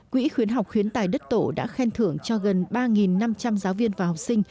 quỹ khuyến học khuyến tài đất tổ đã khen thưởng cho gần ba năm trăm linh giáo viên và học sinh